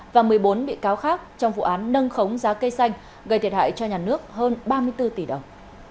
và một mươi bốn bị cáo khác trong vụ án nâng khống giá cây xanh gây thiệt hại cho nhà nước hơn ba mươi bốn tỷ đồng